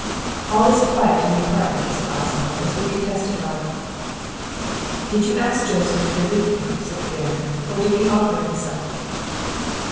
"All is quiet in the apartment," said Oswald, "as we can testify." "Did you ask Joseph to go with you," said the Baron, "or did he offer himself?"